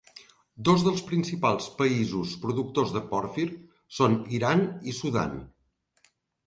Dos dels principals països productors de pòrfir són Iran i Sudan.